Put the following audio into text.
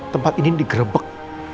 tempat ini digerebek